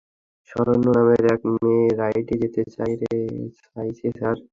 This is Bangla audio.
সরণ্যা নামের এক মেয়ে রাইডে যেতে চায়ছে, স্যার।